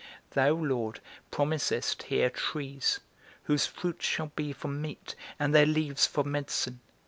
Thou, Lord, promisest here trees, whose fruit shall be for meat, and their leaves for medicine.